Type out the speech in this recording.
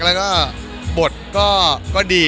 แล้วก็บทก็ดี